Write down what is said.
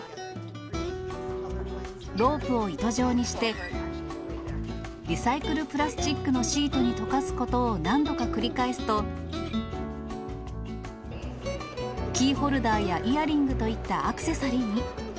ロープを糸状にして、リサイクルプラスチックのシートに溶かすことを何度か繰り返すと、キーホルダーやイヤリングといったアクセサリーに。